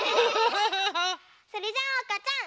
それじゃあおうかちゃん！